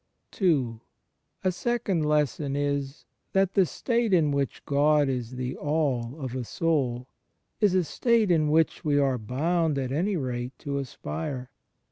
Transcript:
(ii) A second lesson is, that the state in which God is the All of a soul, is a state to which we are boimd at any rate to aspire.